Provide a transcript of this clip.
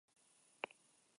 Enkante eragingarria izan da.